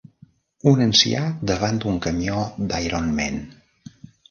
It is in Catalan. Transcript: Un ancià davant d'un camió d'Iron Man.